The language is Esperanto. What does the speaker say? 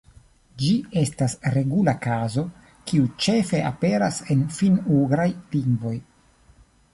Ĝi estas regula kazo, kiu ĉefe aperas en finn-ugraj lingvoj.